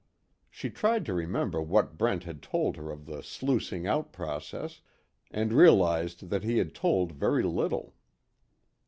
She tried to remember what Brent had told her of the sluicing out process, and realized that he had told very little.